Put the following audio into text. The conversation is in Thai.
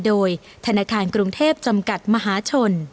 โดยธนาคารกรุงเทพจำกัดมหาชน